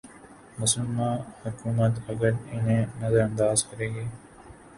مسلماںحکومت اگر انہیں نظر انداز کرے گی۔